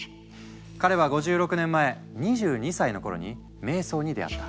彼は５６年前２２歳の頃に瞑想に出会った。